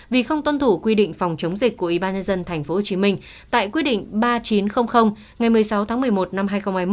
vì không tuân thủ quy định phòng chống dịch của ybnd tp hcm tại quy định ba nghìn chín trăm linh ngày một mươi sáu tháng một mươi một năm hai nghìn hai mươi một